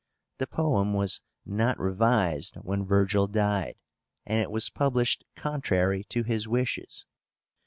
The poem was not revised when Virgil died, and it was published contrary to his wishes.